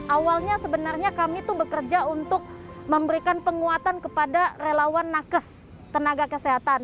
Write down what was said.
awalnya sebenarnya kami itu bekerja untuk memberikan penguatan kepada relawan nakes tenaga kesehatan